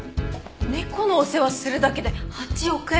猫のお世話するだけで８億円！？